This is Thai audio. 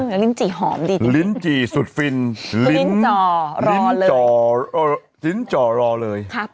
อื้อลิ้นจี่หอมดีลิ้นจี่สุดฟินลิ้นจ่อรอเลย